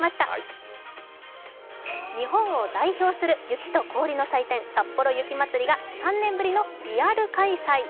日本を代表する雪と氷の祭典、さっぽろ雪まつりが３年ぶりのリアル開催。